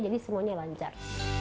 jadi semuanya lancar